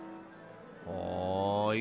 はい。